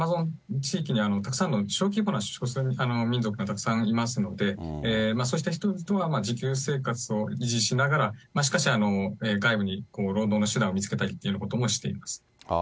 地域にはたくさんの小規模な少数民族がたくさんいますので、そうした人々は自給生活を維持しながら、しかし外部に労働の手段を見つけたりということもしています。